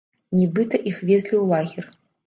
Нібыта іх везлі ў лагер.